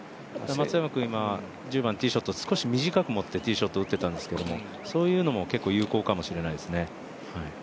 松山君、１０番、短く持ってティーショット打っていたんですけどそういうのも結構有効かもしれないですね。